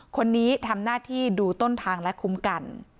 คนนี้ทำหน้าที่ดูต้นทางและคุ้มกัน